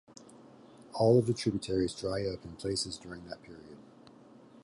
All of the tributaries dry up in places during that period.